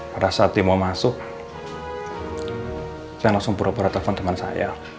pada saat dia mau masuk saya langsung pura pura telepon teman saya